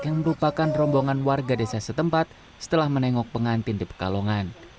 yang merupakan rombongan warga desa setempat setelah menengok pengantin di pekalongan